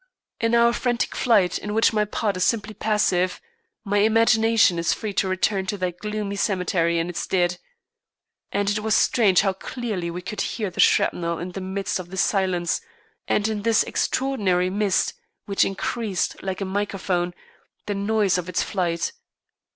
In our frantic flight, in which my part is simply passive, my imagination is free to return to that gloomy cemetery and its dead. And it was strange how clearly we could hear the shrapnel in the midst of this silence and in this extraordinary mist, which increased, like a microphone, the noise of its flight.